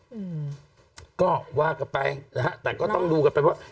เห็นไหมอืมก็ว่ากลับไปนะครับแต่ก็ต้องดูกันไปว่า